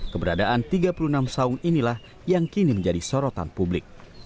keberadaan tiga puluh enam saung inilah yang kini menjadi sorotan publik